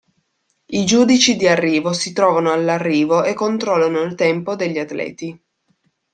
I giudici di arrivo si trovano all'arrivo e controllano il tempo degli atleti.